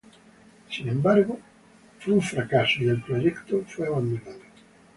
Sin embargo, fue un fracaso y el proyecto fue abandonado.